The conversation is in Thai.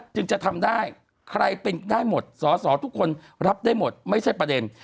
จึงจะทำได้ใครเป็นได้หมดสอสอทุกคนรับได้หมดไม่ใช่ประเด็น